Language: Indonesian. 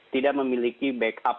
tidak memiliki backup